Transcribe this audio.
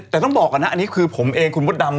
แต่ต้องบอกอันนี้คือผมเองคุณพูดดำ